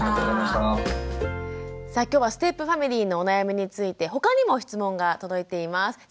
さあ今日はステップファミリーのお悩みについて他にも質問が届いています。